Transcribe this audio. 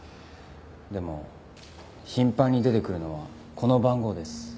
でも頻繁に出てくるのはこの番号です。